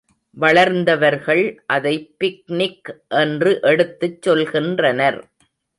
வளர்ந்தவர்கள் அதை பிக்னிக் என்று எடுத்துச் சொல்கின்றனர்.